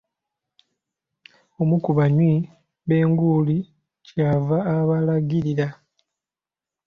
Omu ku banywi b'enguuli kyeyava abalagirira.